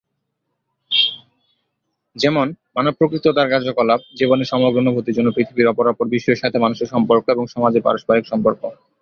যেমন, মানব প্রকৃতি ও তার কার্যকলাপ, জীবনের সমগ্র অনুভূতির জন্য পৃথিবীর অপরাপর বিষয়ের সাথে মানুষের সম্পর্ক এবং সমাজের পারস্পরিক সম্পর্ক।